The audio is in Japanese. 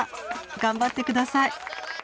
頑張って下さい。